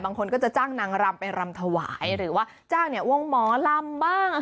บางคนก็จะจ้างนางรำไปรำถวายหรือว่าจ้างเนี่ยวงหมอลำบ้าง